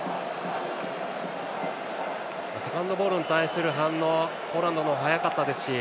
セカンドボールに対する反応もポーランドの方が早かったですし。